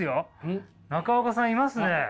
中岡さんいますね。